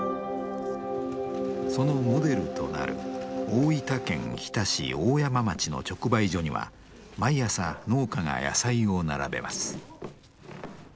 そのモデルとなる大分県日田市大山町の直売所には毎朝農家が野菜を並べます。